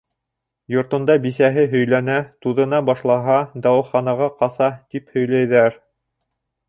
Йортонда бисәһе һөйләнә, туҙына башлаһа, дауаханаға ҡаса, тип һөйләйҙәр.